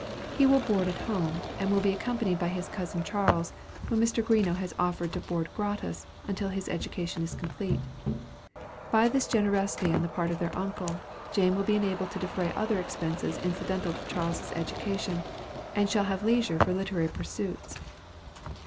He will board at home, and will be accompanied by his cousin Charles, whom Mr. Greenough has offered to board gratis, until his education is completed. By this generosity on the part of her uncle, Jane will be enabled to defray other expenses incidental to Charles's education, and still have leisure for literary pursuits.